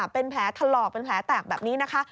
เป็นแผลถลอกเป็นแผลแตกแบบนี้นะคะ